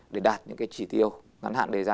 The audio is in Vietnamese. để đạt những trị tiêu ngắn hạn để ra